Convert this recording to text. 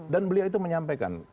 dan beliau itu menyampaikan